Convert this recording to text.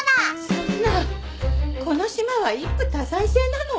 そんなこの島は一夫多妻制なの？